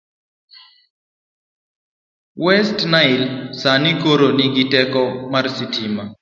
West Nile sani koro nigi teko mar sitima.